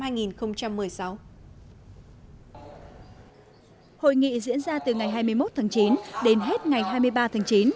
hội nghị diễn ra từ ngày hai mươi một tháng chín đến hết ngày hai mươi ba tháng chín